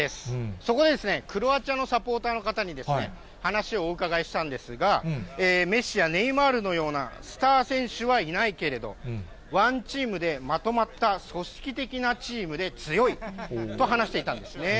そこでですね、クロアチアのサポーターの方に話をお伺いしたんですが、メッシやネイマールのようなスター選手はいないけれども、ワンチームでまとまった組織的なチームで強いと話していたんですね。